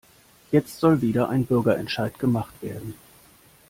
Jetzt soll wieder ein Bürgerentscheid gemacht werden.